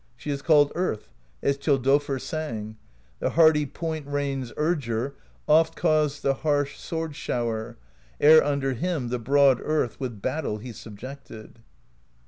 She is called Earth, as Thjodolfr sang: The hardy Point Rain's Urger Oft caused the harsh sword shower. Ere under him the broad Earth With battle he subjected.